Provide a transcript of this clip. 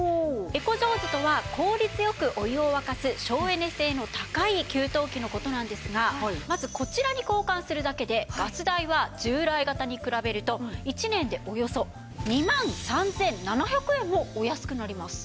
エコジョーズとは効率良くお湯を沸かす省エネ性の高い給湯器の事なんですがまずこちらに交換するだけでガス代は従来型に比べると１年でおよそ２万３７００円もお安くなります。